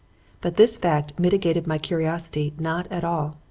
But this fact mitigated my curiosity not at all.